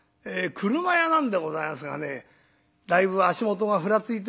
「俥屋なんでございますがねだいぶ足元がふらついておりますよ。